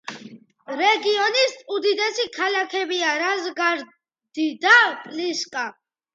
რეგიონის უდიდესი ქალაქებია რაზგრადი და პლისკა.